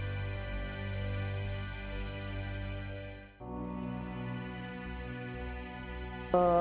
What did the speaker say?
jadi gue kayak oh ini udah ketovastosis